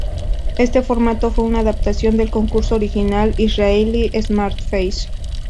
Este formato fue una adaptación del concurso original israelí "Smart Face".